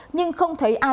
nhưng không thấy ai